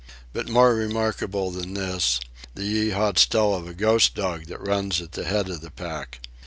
But more remarkable than this, the Yeehats tell of a Ghost Dog that runs at the head of the pack.